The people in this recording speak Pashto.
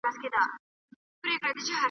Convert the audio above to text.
د ژوندون به نوی رنگ وي نوی خوند وي .